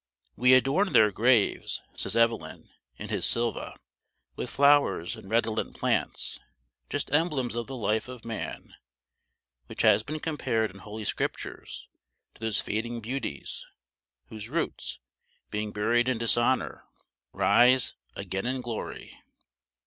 "We adorn their graves," says Evelyn, in his Sylva, "with flowers and redolent plants, just emblems of the life of man, which has been compared in Holy Scriptures to those fading beauties whose roots, being buried in dishonor, rise, again in glory."